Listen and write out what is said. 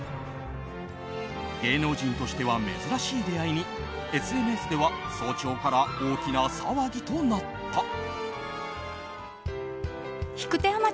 芸能人としては珍しい出会いにＳＮＳでは早朝から大きな騒ぎとなった。